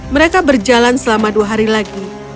mereka berjalan selama dua hari lagi